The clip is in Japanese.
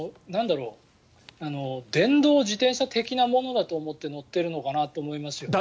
電動自転車的なものだと思って乗っているのかなと思いますよね。